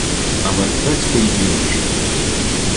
А мертвець той і ожив.